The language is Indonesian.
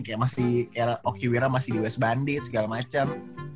kayak masih oki wira masih di west bandit segala macem